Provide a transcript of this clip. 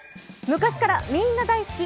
「昔からみんな大好き！